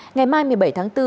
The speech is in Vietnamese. ngày mai một mươi bảy tháng bốn